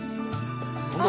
何だ？